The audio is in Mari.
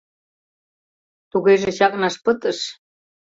— Тугеже чакнаш пытыш?